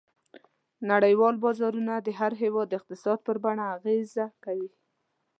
نړیوال بازارونه د هر هېواد د اقتصاد پر بڼه اغېزه کوي.